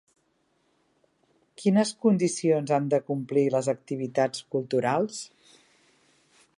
Quines condicions han de complir les activitats culturals?